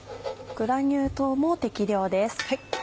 グラニュー糖も適量です。